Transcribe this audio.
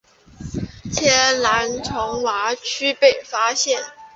天蓝丛蛙区被发现。